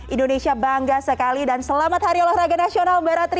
indonesia bangga sekali dan selamat hari olahraga nasional mbak ratri